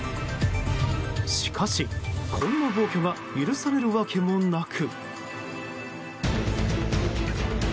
しかし、こんな暴挙が許されるわけもなく。